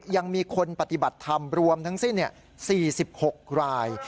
ยังมีคนปฏิบัติธรรมรวมทั้งสิ้น๔๖ราย